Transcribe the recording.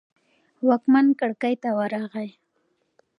واکمن کړکۍ ته ورغی.